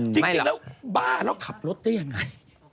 จริงแล้วบ้าแล้วขับรถได้ยังไง